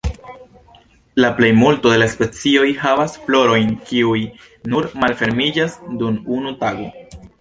La plejmulto de la specioj havas florojn kiuj nur malfermiĝas dum unu tago.